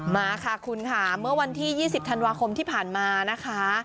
มาค่ะคุณค่ะเมื่อวันที่๒๐ธันวาคมที่ผ่านมานะคะ